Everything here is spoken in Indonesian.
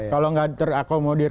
kalau gak terakomodir